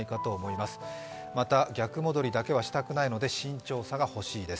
また、逆戻りだけはしたくないので慎重さが欲しいです。